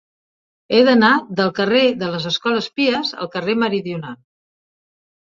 He d'anar del carrer de les Escoles Pies al carrer Meridional.